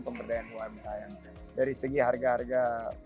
pemberdayaan umkm dari segi harga harga